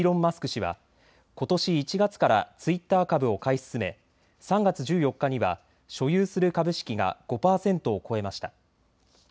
氏はことし１月からツイッター株を買い進め、３月１４日には所有する株式が５％を超えました。